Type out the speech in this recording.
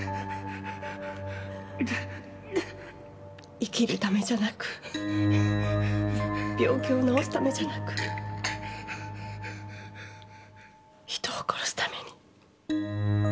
生きるためじゃなく病気を治すためじゃなく人を殺すために。